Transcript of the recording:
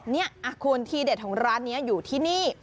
นี่คุณทีเด็ดของร้านนี้อยู่ที่นี่